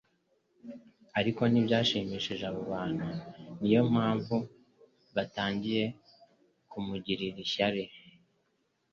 ariko ntibyashimishije abo bantu ni yo mpamvu batangiye kumugirira ishyari